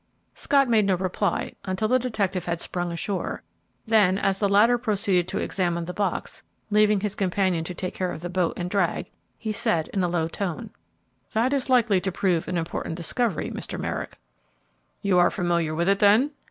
Scott made no reply until the detective had sprung ashore; then, as the latter proceeded to examine the box, leaving his companion to take care of the boat and drag, he said, in a low tone, "That is likely to prove an important discovery, Mr. Merrick." "You are familiar with it then?"